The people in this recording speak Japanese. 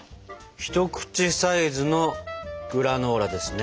一口サイズのグラノーラですね。